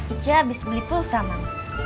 ije habis beli pulsa mak